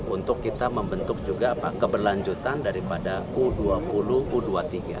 untuk kita membentuk juga keberlanjutan daripada u dua puluh u dua puluh tiga